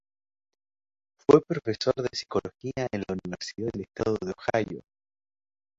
Fue profesor de psicología en la Universidad del Estado de Ohio.